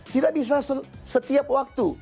tidak bisa setiap waktu